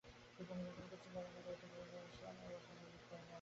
শিক্ষক মিলনায়তনে কোচিং করানোর কারণে বিদ্যালয়ে এসেও আমরা বসার সুযোগ পাই না।